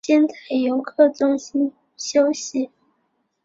先在游客中心休息